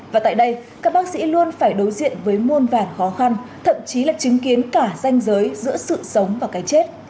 và tại đây các bác sĩ luôn phải đối diện với muôn vàn khó khăn thậm chí là chứng kiến cả danh giới giữa sự sống và cái chết